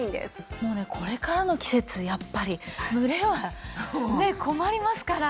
もうねこれからの季節やっぱり蒸れは困りますから。